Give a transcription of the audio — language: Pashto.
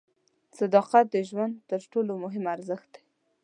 صداقت د ژوند تر ټولو مهم ارزښت دی.